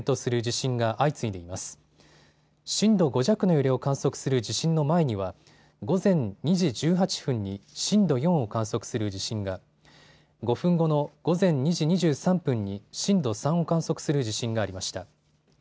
震度５弱の揺れを観測する地震の前には午前２時１８分に震度４を観測する地震が、５分後の午前２時２３分に震度３を観測する地震がありました。